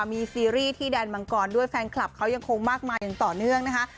มีซีรีส์ที่แดนมังกรด้วยแฟนคลับเขายังคงมากมายอย่างต่อเนื่องนะคะ